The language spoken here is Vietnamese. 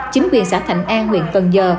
chính quyền xã thạnh an huyện cần giờ